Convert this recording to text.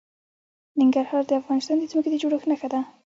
ننګرهار د افغانستان د ځمکې د جوړښت نښه ده.